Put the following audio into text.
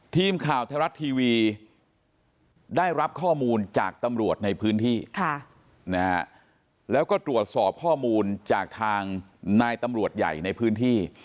ทีมข่าวไทยรัฐทีวีได้รับข้อมูลจากตำรวจในพื้นที่แล้วก็ตรวจสอบข้อมูลจากทางนายตำรวจใหญ่ในพื้นที่